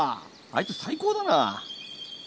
あいつ最高だな。